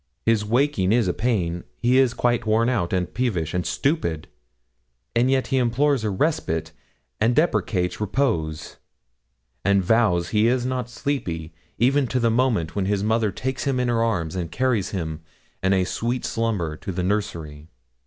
His waking is a pain; he is quite worn out, and peevish, and stupid, and yet he implores a respite, and deprecates repose, and vows he is not sleepy, even to the moment when his mother takes him in her arms, and carries him, in a sweet slumber, to the nursery.